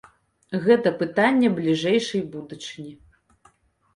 Гэта пытанне бліжэйшай будучыні.